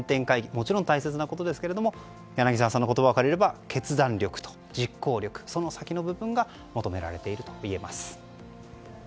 もちろん大切なことですが柳澤さんの言葉を借りれば決断力と実行力その先の部分が求められているといえます。